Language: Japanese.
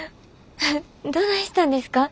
どないしたんですか？